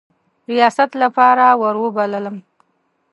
ریاست لپاره وروبللم.